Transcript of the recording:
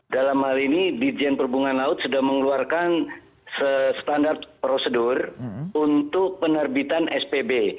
dalam hal ini dijen perhubungan laut sudah mengeluarkan standar prosedur untuk penerbitan spb